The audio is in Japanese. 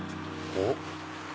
おっ？